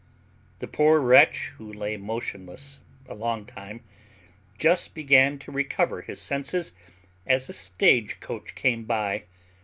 The poor wretch, who lay motionless a long time, just began to recover his senses as a stage coach came by.